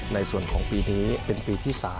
ในส่วนของปีนี้เป็นปีที่๓